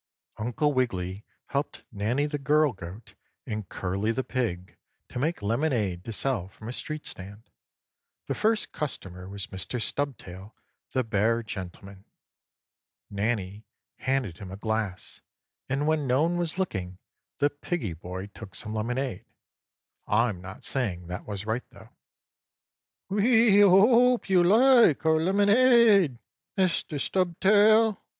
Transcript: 3. Uncle Wiggily helped Nannie the girl goat, and Curly the pig to make lemonade to sell from a street stand. The first customer was Mr. Stubtail, the bear gentleman. Nannie handed him a glass, and when no one was looking the piggie boy took some lemonade. I'm not saying that was right, though. "We hope you like our lemonade, Mr. Stubtail."